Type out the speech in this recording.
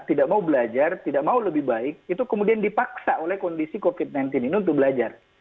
tidak mau belajar tidak mau lebih baik itu kemudian dipaksa oleh kondisi covid sembilan belas ini untuk belajar